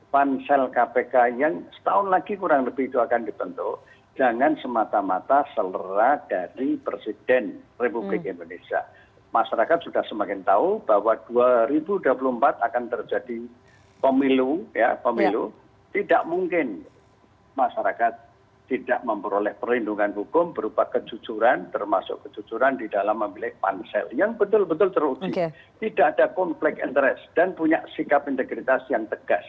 popularitas dan lain lain